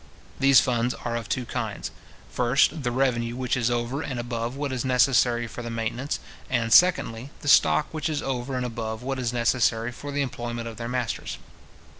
These funds are of two kinds, first, the revenue which is over and above what is necessary for the maintenance; and, secondly, the stock which is over and above what is necessary for the employment of their masters.